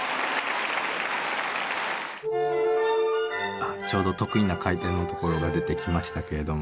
あっちょうど得意な回転のところが出てきましたけれども。